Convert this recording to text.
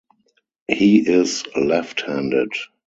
He is left handed.